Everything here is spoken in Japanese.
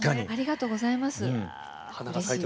ありがとうございます。